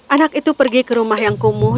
anak itu pergi ke rumah yang kumuh